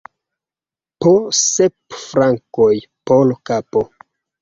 Po sep frankoj por kapo!